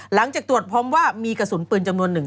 หลังจากตรวจพบว่ามีกระสุนปืนจำนวนหนึ่ง